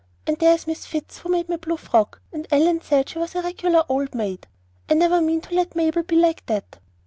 And there's Miss Fitz who made my blue frock; Ellen said she was a regular old maid. I never mean to let Mabel be like that."